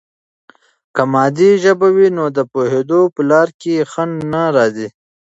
که مادي ژبه وي، نو د پوهیدو په لاره کې خنډ نه راځي.